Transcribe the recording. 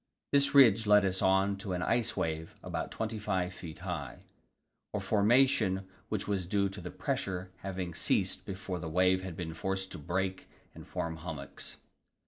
This ridge led us on to an icewave about 25 feet high a formation which was due to the pressure having ceased before the wave had been forced to break and form hummocks.